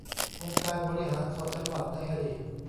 องค์การบริหารส่วนจังหวัดในอดีต